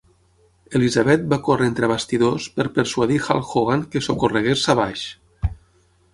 Elizabeth va córrer entre bastidors per persuadir Hulk Hogan que socorregués Savage.